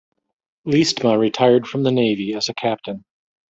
Leestma retired from the Navy as a Captain.